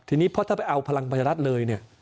ทีนี้เพราะถ้าไปเอาพลังประชารัฐเลยเนี่ย